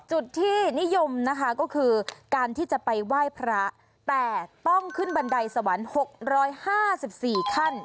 จุดที่นิยมนะคะก็คือการที่จะไปไหว้พระแต่ต้องขึ้นบันไดสวรรค์๖๕๔ขั้น